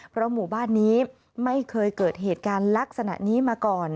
เพราะหมู่บ้านนี้ไม่เคยเกิดเหตุการณ์ลักษณะนี้มาก่อน